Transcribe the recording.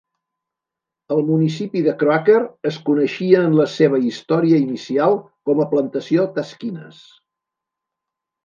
El municipi de Croaker es coneixia en la seva història inicial com a Plantació Taskinas.